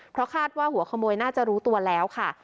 เพราะคาดว่าหัวขโมยน่าจะรู้ตัวแล้วค่ะ